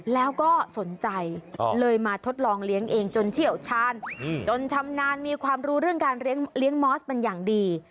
แล้วก็สนใจเลยมาทดลองเลี้ยงเองจนเชี่ยวชาญจนชำนาญมีความรู้เรื่องการเลี้ยงมอสเป็นอย่างดี